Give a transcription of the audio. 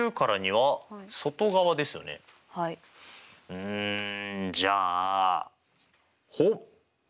うんじゃあほっ。